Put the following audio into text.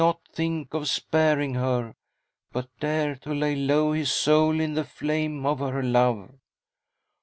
not think of sparing her, but dare to lay low his soul in the flame of her love !